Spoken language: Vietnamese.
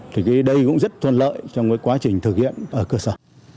thì đây cũng rất thuận lợi trong quá trình thực hiện ở cơ sở